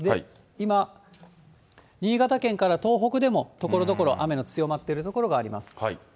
今、新潟県から東北でも、ところどころ雨の強まっている所があります。